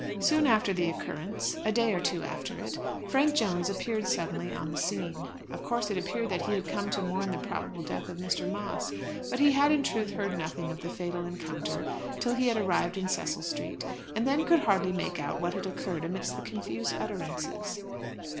Soon after the occurrence, a day or two after it, Frank Jones appeared suddenly on the scene. Of course it appeared that he had come to mourn the probable death of Mr. Moss. But he had in truth heard nothing of the fatal encounter till he had arrived in Cecil Street, and then could hardly make out what had occurred amidst the confused utterances.